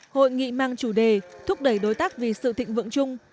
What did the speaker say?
hội nghị mang chủ đề thúc đẩy đối tác vì sự thịnh vượng chung